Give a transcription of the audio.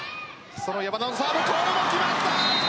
山田のサーブ、これも決まった！